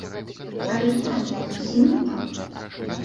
Але гэта было зусім не так.